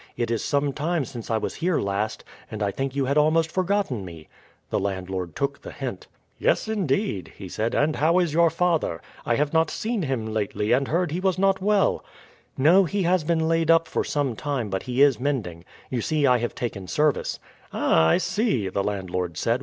"It is some time since I was here last, and I think you had almost forgotten me." The landlord took the hint. "Yes, indeed," he said. "And how is your father? I have not seen him lately, and heard that he was not well." "No; he has been laid up for some time, but he is mending. You see I have taken service." "Ah, I see," the landlord said.